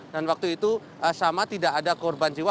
dan waktu itu sama tidak ada korban jiwa